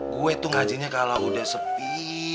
gua tuh ngajinya kalo udah sepi